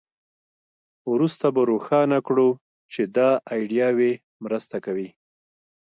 وروسته به روښانه کړو چې دا ایډیاوې مرسته کوي